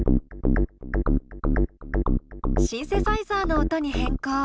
シンセサイザーの音に変更。